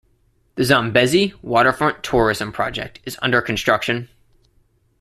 The "Zambezi Waterfront Tourism" project is under construction.